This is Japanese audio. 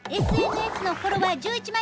ＳＮＳのフォロワー１１万